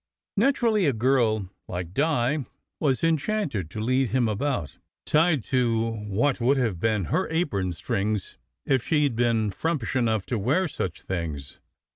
Naturally a girl like Di was enchanted to lead him about, tied to what would have been her apron strings if she d been frumpish enough to wear such things.